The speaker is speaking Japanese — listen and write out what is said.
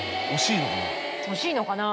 惜しいのかな？